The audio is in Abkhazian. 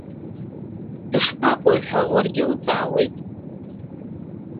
Дышԥаҟоу ҳәа уаргьы уҵаахуеит!